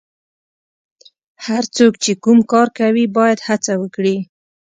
هر څوک چې کوم کار کوي باید هڅه وکړي.